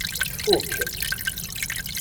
Tfuk.